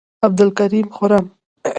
عبدالکریم خرم،